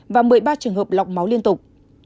và một mươi ba trường hợp lọc máu liên tục